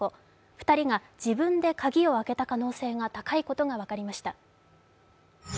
２人が自分で鍵を開けた可能性が高いことが分かりました。